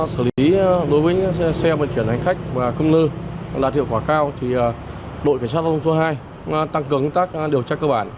sử lý đối với xe vận chuyển hành khách và cơm lưu là thiệu quả cao thì đội cảnh sát giao thông số hai tăng cường các điều tra cơ bản